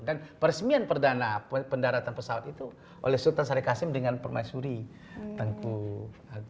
dan peresmian perdana pendaratan pesawat itu oleh sultan syarif kasim dengan permaisuri tengku agung